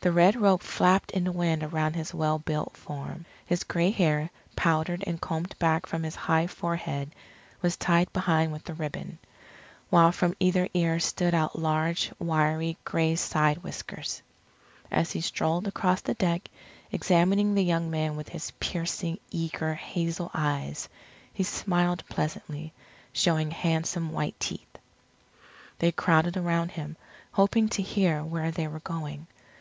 The red robe flapped in the wind around his well built form. His gray hair, powdered and combed back from his high forehead, was tied behind with a ribbon. While from either ear stood out large, wiry, gray side whiskers. As he strolled across the deck, examining the young men with his piercing, eager, hazel eyes, he smiled pleasantly, showing handsome white teeth. They crowded around him, hoping to hear where they were going.